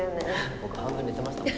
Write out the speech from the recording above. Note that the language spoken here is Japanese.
僕半分寝てましたもん。